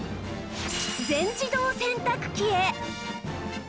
全自動洗濯機へ！